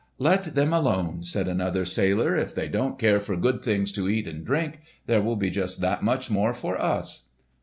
"Let them alone," said another sailor; "if they don't care for good things to eat and drink, there will be just that much more for us."